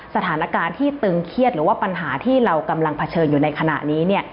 สถานการณ์ที่ตึงเครียดหรือว่าปัญหาที่เรากำลังเผชิญอยู่ในขณะนี้เนี่ย